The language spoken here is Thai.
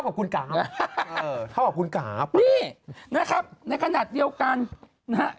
ขอบคุณกราฟขอบคุณกราฟนี่นะครับในขณะเดียวกันนะครับ